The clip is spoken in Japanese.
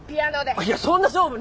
いやそんな勝負ねえよ。